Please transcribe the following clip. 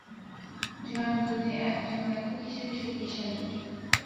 জয়ন্ত দে একজন লেখক হিসেবে শক্তিশালী।